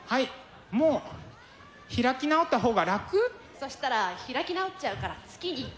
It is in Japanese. そしたら開き直っちゃうから月に一回。